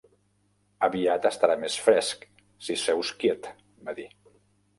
"Aviat estarà més fresc, si seus quiet", va dir.